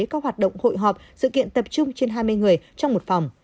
các hoạt động hội họp sự kiện tập trung trên hai mươi người trong một phòng